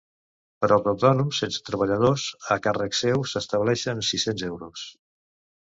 Per als autònoms sense treballadors a càrrec seu, s’estableixen sis-cents euros.